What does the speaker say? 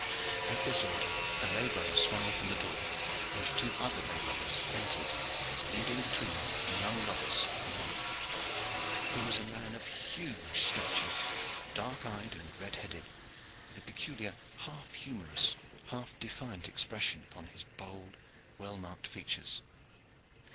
At this order a lay brother swung open the door, and two other lay brothers entered leading between them a young novice of the order. He was a man of huge stature, dark eyed and red headed, with a peculiar half humorous, half defiant expression upon his bold, well marked features.